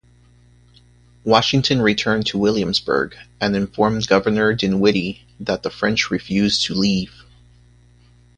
Washington returned to Williamsburg and informed Governor Dinwiddie that the French refused to leave.